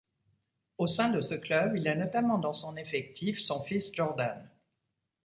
Au sein de ce club, il a notamment dans son effectif son fils Jordan.